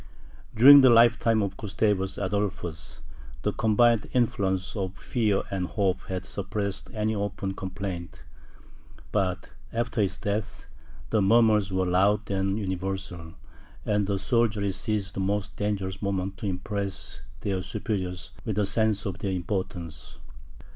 During the lifetime of Gustavus Adolphus, the combined influence of fear and hope had suppressed any open complaint, but after his death, the murmurs were loud and universal; and the soldiery seized the most dangerous moment to impress their superiors with a sense of their importance.